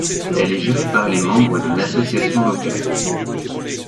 Elle est gérée par les membres d'une association locale.